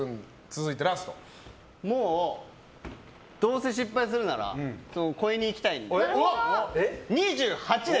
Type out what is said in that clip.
もう、どうせ失敗するなら超えに行きたいので２８で！